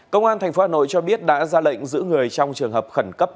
công an thành phố hà nội cho biết đã ra lệnh giữ người trong trường hợp khẩn cấp